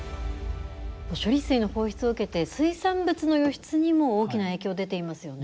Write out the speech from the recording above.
処理水の放出を受けて水産物の輸出にも大きな影響、出ていますよね。